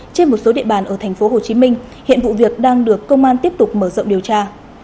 trên một số địa bàn ở tp hcm hiện vụ việc đang được công an tiếp tục mở rộng điều tra